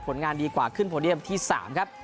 งานดีกว่าขึ้นโพเดียมที่๓ครับ